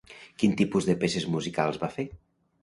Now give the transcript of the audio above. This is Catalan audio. Quin tipus de peces musicals va fer?